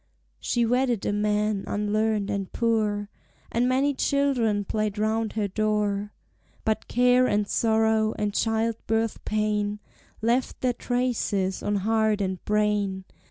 She wedded a man unlearned and poor, And many children played round her door. But care and sorrow, and child birth pain, Left their traces on heart and brain.